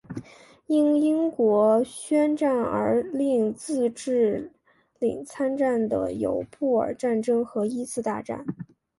因英国宣战而令自治领参战的有布尔战争和一次大战。